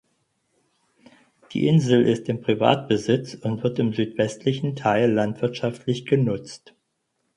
Die Insel ist im Privatbesitz und wird im südwestlichen Teil landwirtschaftlich genutzt.